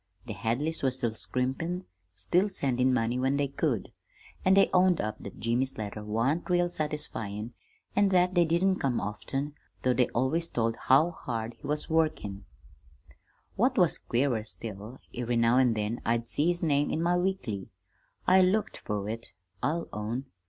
The Hadleys was still scrimpin', still sendin' money when they could, an' they owned up that Jimmy's letters wan't real satisfyin' an' that they didn't come often, though they always told how hard he was workin'. "What was queerer still, every now an' then I'd see his name in my weekly. I looked fer it, I'll own.